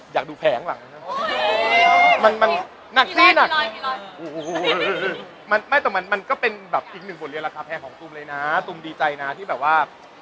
อย่างเดียวมาทั้งละรับมือได้แล้วหรือว่ายังหนักหมด